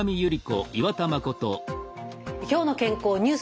「きょうの健康ニュース」です。